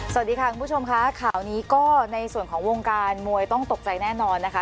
สวัสดีค่ะคุณผู้ชมค่ะข่าวนี้ก็ในส่วนของวงการมวยต้องตกใจแน่นอนนะคะ